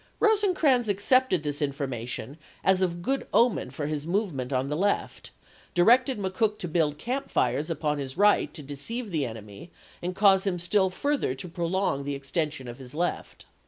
Rosecrans accepted this in formation as of good omen for his movement on the left, directed McCook to build camp fires upon his right to deceive the enemy and cause him still further to prolong the extension of his left.